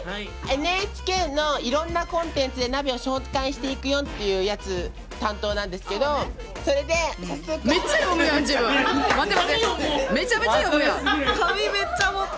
ＮＨＫのいろんなコンテンツで「ＮＡＢＥ」を紹介していくよっていうやつ担当なんですけど紙めっちゃ持ってる！